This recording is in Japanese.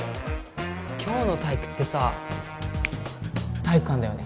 今日の体育ってさ体育館だよね？